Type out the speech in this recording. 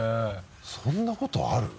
そんなことある？